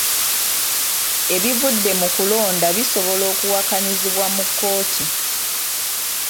Ebivudde mu kulonda bisobola okuwakanyizibwa mu kkooti.